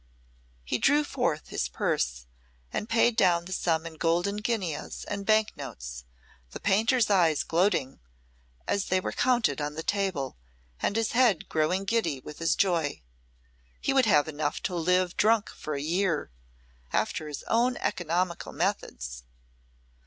He drew forth his purse and paid down the sum in golden guineas and bank notes, the painter's eyes gloating as they were counted on the table and his head growing giddy with his joy. He would have enough to live drunk for a year, after his own economical methods.